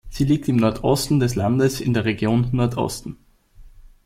Sie liegt im Nordosten des Landes in der Region Nordosten.